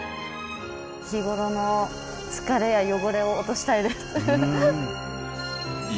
日頃の疲れや汚れを落としたいです。